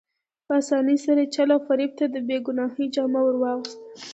په اسانۍ سره یې چل او فریب ته د بې ګناهۍ جامه ور اغوسته.